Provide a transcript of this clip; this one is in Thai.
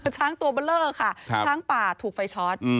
ช้างตัวเบอร์เลอร์ค่ะช้างป่าถูกไฟช็อต